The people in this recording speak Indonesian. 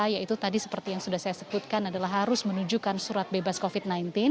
yaitu tadi seperti yang sudah saya sebutkan adalah harus menunjukkan surat bebas covid sembilan belas